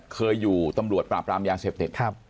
เคยอยู่ตำรวจปราบรามยาเสพติด